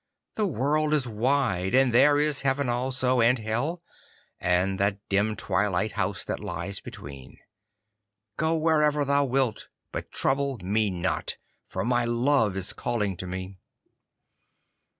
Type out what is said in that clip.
'The world is wide, and there is Heaven also, and Hell, and that dim twilight house that lies between. Go wherever thou wilt, but trouble me not, for my love is calling to me.